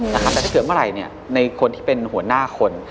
แต่ถ้าเกิดเมื่อไหร่ในคนที่เป็นหัวหน้าคน